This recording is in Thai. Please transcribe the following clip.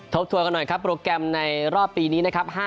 บททวนกันหน่อยครับโปรแกรมในรอบปีนี้นะครับ